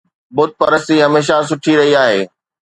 بت پرستي هميشه سٺي رهي آهي